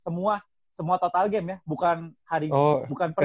semua semua total game ya bukan hari bukan per game